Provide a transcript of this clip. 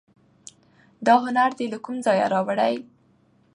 دا هنر دي له کوم ځایه دی راوړی